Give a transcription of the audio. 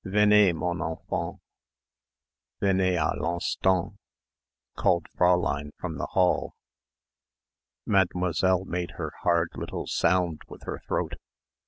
"Venez mon enfant, venez à l'instant," called Fräulein from the hall. Mademoiselle made her hard little sound with her throat.